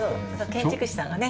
建築士さんがね